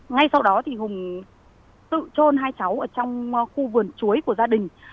ngay sau đó thì hùng tự trôn hai cháu ở trong khu vườn chuối của gia đình